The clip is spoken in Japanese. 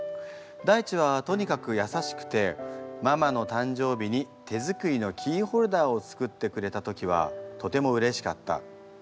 大馳はとにかくやさしくてママの誕生日に手作りのキーホルダーを作ってくれた時はとてもうれしかった。